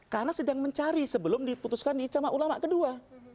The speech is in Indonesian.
karena sedang mencari sebelum diputuskan istimewa ulama kedua